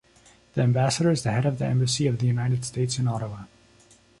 The ambassador is the head of the Embassy of the United States in Ottawa.